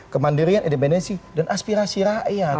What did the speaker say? kemandirian independensi dan aspirasi rakyat